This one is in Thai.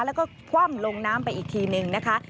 แล้วก็คว่ำลงน้ำไปอีกทีนึงนะคะ